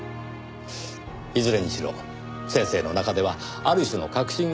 いずれにしろ先生の中ではある種の確信が芽生えたはずです。